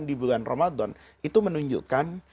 di bulan ramadan itu menunjukkan